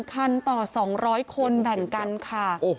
คันต่อ๒๐๐คนแบ่งกันค่ะ